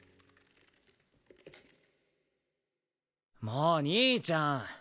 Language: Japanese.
もう兄ちゃん！